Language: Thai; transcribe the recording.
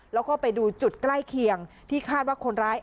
แล้วก็ไปดูจุดใกล้เคียงที่คาดว่าคนร้าย